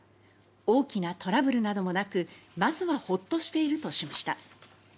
大きなトラブルなどもなくまずはほっとしているとしました。